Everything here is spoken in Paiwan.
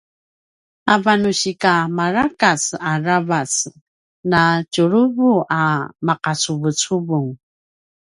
avan nu sika marakac aravac na tjuruvu a maqacuvucuvung